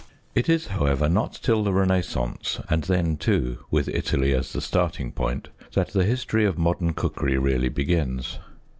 It is, however, not till the Renaissance, and then too with Italy as the starting point, that the history of modern cookery really begins.